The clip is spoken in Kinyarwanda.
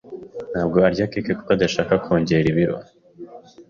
Ntabwo arya cake kuko adashaka kongera ibiro.